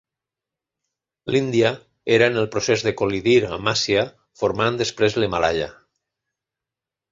L'Índia era en el procés de col·lidir amb Àsia, formant després l'Himàlaia.